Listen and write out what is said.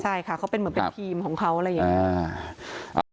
ใช่ค่ะเขาเป็นเหมือนเป็นทีมของเขาอะไรอย่างนี้